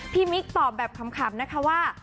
มิ๊กตอบแบบขำนะคะว่า